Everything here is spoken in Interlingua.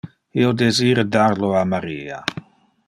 Io desira a dar illo a Maria.